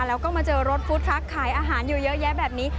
แล้วก็มาเจอรถฟู้ดฟักขายอาหารอยู่เยอะแยะแบบนี้